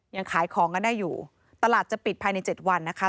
ยังขายของกันได้อยู่ตลาดจะปิดภายใน๗วันนะคะ